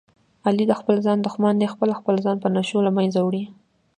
علي د خپل ځان دښمن دی، خپله خپل ځان په نشو له منځه وړي.